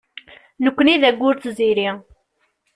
Nekni d ayyur d tziri.